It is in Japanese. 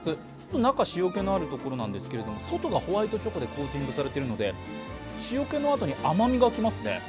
中、塩気のあるところなんですけど外がホワイトチョコでコーティングされているので塩気のあとに甘みが来ますね。